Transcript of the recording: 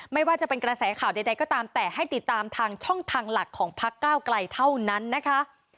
ไม่ว่าจะเป็นกระแสข่าวใดก็ตามแต่ให้ติดตามทางช่องทางหลักของพักก้าวไกลเท่านั้นนะคะ